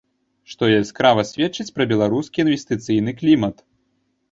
Што яскрава сведчыць пра беларускі інвестыцыйны клімат.